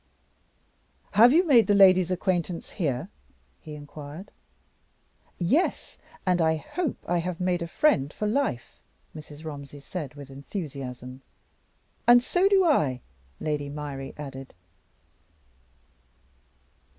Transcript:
"Have you made the lady's acquaintance here?" he inquired. "Yes and I hope I have made a friend for life," Mrs. Romsey said with enthusiasm. "And so do I," Lady Myrie added.